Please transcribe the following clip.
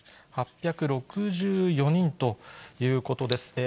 ８６４人ということです。